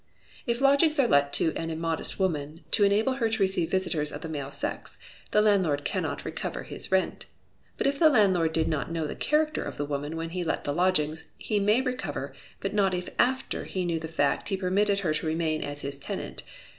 If lodgings are let to an immodest woman, to enable her to receive visitors of the male sex, the landlord cannot recover his rent. But if the landlord did not know the character of the woman when he let the lodgings, he may recover, but not if after he knew the fact he permitted her to remain as his tenant.